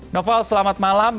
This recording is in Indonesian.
noval selamat malam